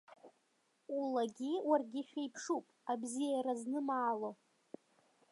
Улагьы уаргьы шәеиԥшуп, абзиара знымаало.